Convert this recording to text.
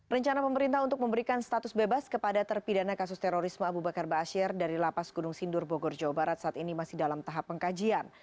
rencana pemerintah untuk memberikan status bebas kepada terpidana kasus terorisme abu bakar ⁇ baasyir ⁇ dari lapas gunung sindur bogor jawa barat saat ini masih dalam tahap pengkajian